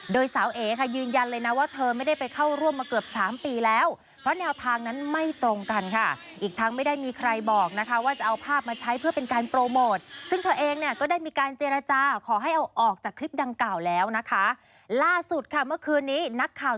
โดยสาวเอ๋ยืนยันเลยนะว่าเธอไม่ได้ไปเข้าร่วมมาเกือบ๓ปีแล้ว